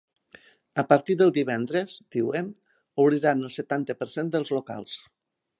A partir de divendres, diuen, obriran el setanta per cent dels locals.